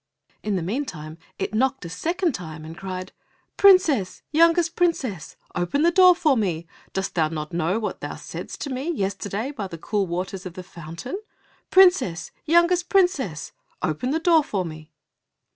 In the meantime it knocked a second time, and cried, "Princess! youngest princess! Open the door for me! Dost thou not know what thou saidst to me Yesterday by the cool waters of the fountain? Princess, youngest princess! Open the door for me!"